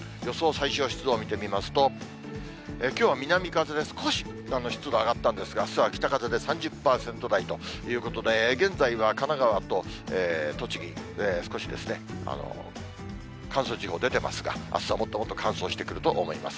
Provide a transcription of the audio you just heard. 最小湿度を見てみますと、きょうは南風で少し湿度上がったんですが、あすは北風で３０％台ということで、現在は神奈川と栃木、少しですね、乾燥注意報出てますが、あすはもっともっと乾燥してくると思います。